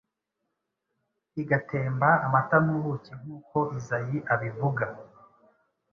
igatemba amata n‟ubuki nk‟uko Izayi abivuga.